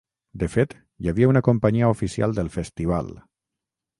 De fet, hi havia una companyia oficial del festival.